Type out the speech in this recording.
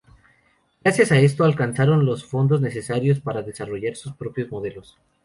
Gracias a esto, alcanzaron los fondos necesarios para desarrollar sus propios modelos.